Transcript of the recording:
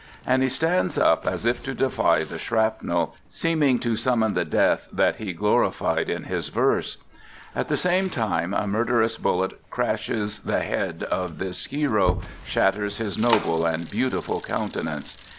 " And he stands up as if to defy the shrapnel, seeming to summon the death that he k C n m his verse At the same time a murder ous bullet crashes the head of this hero, shatters his noble and beautiful countenance.